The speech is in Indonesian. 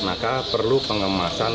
maka perlu pengemasan